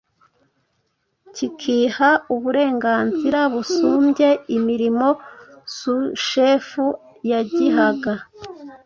kikiha uburenganzira busumbye imirimo sushefu yagihaga.